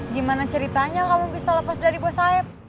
gimana ceritanya kamu bisa lepas dari bos saib